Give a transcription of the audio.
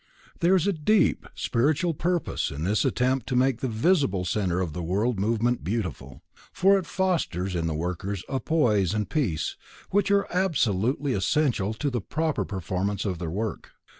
There is a deep spiritual purpose in this attempt to make the visible centre of the new world movement beautiful, for it fosters in the workers a poise and peace which are absolutely essential to the proper performance of their work.